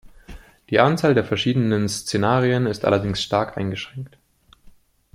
Die Anzahl der verschiedenen Szenarien ist allerdings stark eingeschränkt.